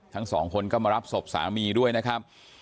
ทั้งสองคนก็มารับศพสามีด้วยนะครับ